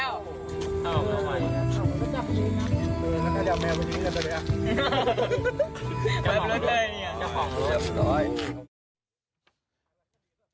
โถ่ปีโสใหญ่นะ